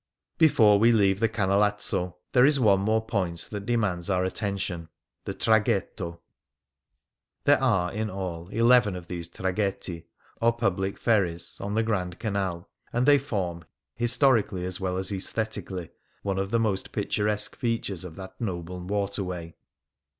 Before we leave the Canalazzo there is one more point that demands our attention — the traghetto. There are, in all, eleven of these traghetti, or public ferries, on the Grand Canal, and they form, historically as well as aesthetically, one of the most picturesque features of that noble waterway.